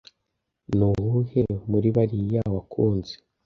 Nuwuhe muri bariya wakunze